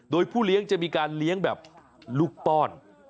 โดยผู้เลี้ยงจะมีการเลี้ยงแบบลูกป้อน